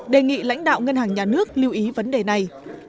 đề nghị lãnh đạo ngân hàng nhà nước lưu ý vấn đề này